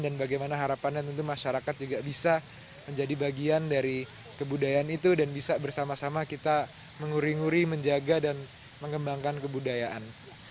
dan bagaimana harapannya tentu masyarakat juga bisa menjadi bagian dari kebudayaan itu dan bisa bersama sama kita menguri nguri menjaga dan mengembangkan kebudayaan